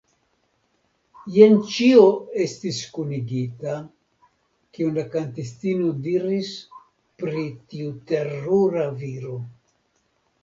jen ĉio estis kunigita, kion la kantistino diris pri tiu terura viro.